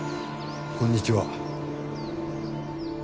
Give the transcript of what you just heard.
こんにちは。